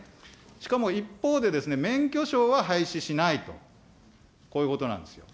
しかも一方で、免許証は廃止しないと、こういうことなんですよ。